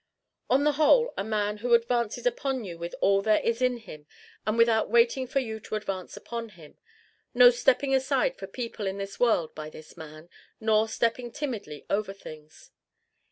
On the whole a man who advances upon you with all there is in him and without waiting for you to advance upon him; no stepping aside for people in this world by this man, nor stepping timidly over things.